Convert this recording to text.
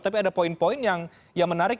tapi ada poin poin yang menarik